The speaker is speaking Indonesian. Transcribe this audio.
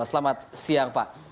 selamat siang pak